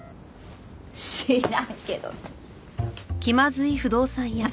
知らんけどって。